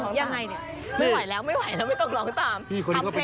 ไม่ไหวแล้วไม่ต้องร้องตาม